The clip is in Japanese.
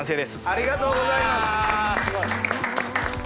ありがとうございます！